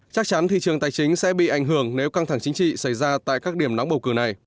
chắc chắn thị trường tài chính sẽ bị ảnh hưởng nếu căng thẳng chính trị xảy ra tại các điểm nóng bầu cử này